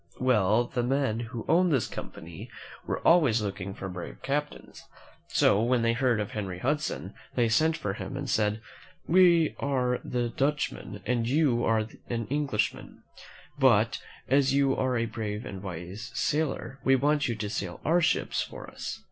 Well, the men who owned this company were always looking for brave captains; so, when they heard of Henry Hudson, they sent for him and said, "We are all Dutchmen and you are an Englishman; but, as you are a brave and a wise sailor, we want you to sail our ships for us."